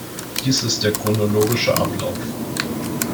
Dies ist der chronologische Ablauf.